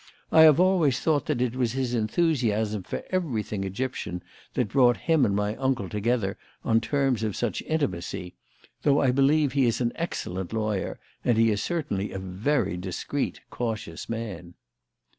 I have always thought that it was his enthusiasm for everything Egyptian that brought him and my uncle together on terms of such intimacy; though I believe he is an excellent lawyer, and he is certainly a very discreet, cautious man."